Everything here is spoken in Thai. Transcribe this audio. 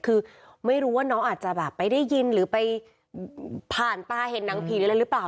คือไม่รู้ว่าน้องอาจจะแบบไปได้ยินหรือไปผ่านตาเห็นหนังผีหรืออะไรหรือเปล่า